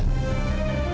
kamu gak usah menangis ya